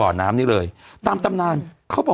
สวัสดีครับคุณผู้ชม